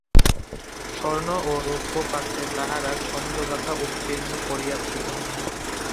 স্বর্ণ ও রৌপ্যপাত্রে তাহারা ছন্দ-গাথা উৎকীর্ণ করিয়াছিল।